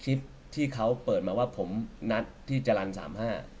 คลิปที่เขาเปิดมาว่าผมนัดที่จรรย์สามห้า